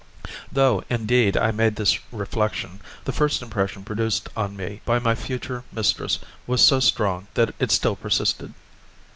Though, indeed, I made this reflection, the first impression produced on me by my future mistress was so strong that it still persisted.